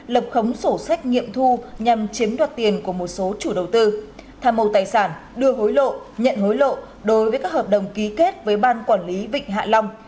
lập khống sổ sách nghiệm thu nhằm chiếm đoạt tiền của một số chủ đầu tư thà màu tài sản đưa hối lộ nhận hối lộ đối với các hợp đồng ký kết với ban quản lý vịnh hạ long